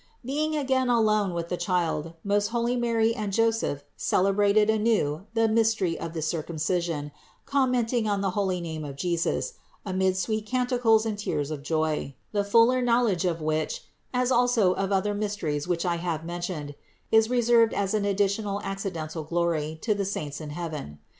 536. Being again left alone with the Child, most holy Mary and Joseph celebrated anew the mystery of the Circumcision, commenting on the holy name of JESUS amid sweet canticles and tears of joy, the fuller knowl edge of which (as also of other mysteries which I have mentioned) is reserved as an additional accidental glory to the saints in heaven.